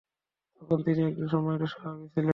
তখন তিনি একজন সম্মানিত সাহাবী ছিলেন।